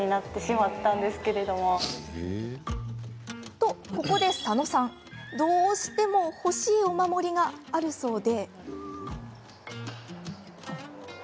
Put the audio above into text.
と、ここで佐野さんどうしても欲しいお守りがあるそうで。